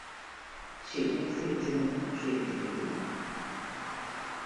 ฉีดวัคซีนซิโนแวคเสี่ยงจริงหรือ